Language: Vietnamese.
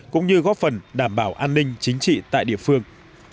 cũng như góp phần đảm bảo an ninh chính trị tại địa phương